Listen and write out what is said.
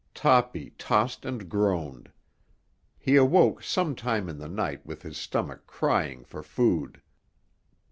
Toppy tossed and groaned. He awoke some time in the night with his stomach crying for food.